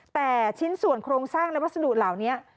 แต่ชิ้นส่วนโครงสร้างและวัสดุเหล่านี้